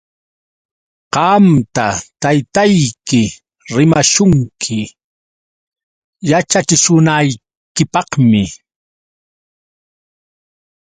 Qamta taytayki rimashunki yaćhachishunaykipaqmi.